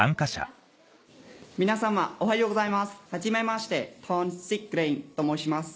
皆様おはようございますはじめましてトーンシックレインと申します。